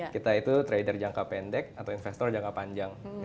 kita itu trader jangka pendek atau investor jangka panjang